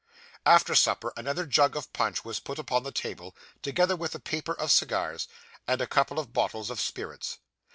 After supper, another jug of punch was put upon the table, together with a paper of cigars, and a couple of bottles of spirits.